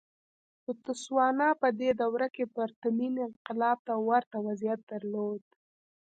بوتسوانا په دې دوره کې پرتمین انقلاب ته ورته وضعیت درلود.